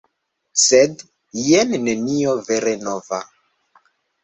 Sed jen nenio vere nova.